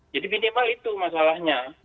jadi minimal itu masalahnya